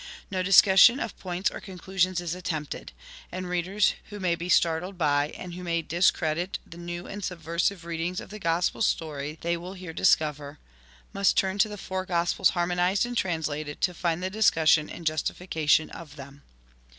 No dis cussion of points or conclusions is attempted ; and readers who may be startled by, and who may dis credit, the new and subversiTe readings of the Gospel story they will here discover, must turn to The Four Gospels Harmonised and Translated to find the discussion and justification of them.